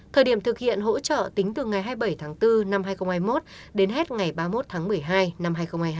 thời điểm thực hiện hỗ trợ tính từ ngày hai mươi bảy tháng bốn năm hai nghìn hai mươi một đến hết ngày ba mươi một tháng một mươi hai năm hai nghìn hai mươi hai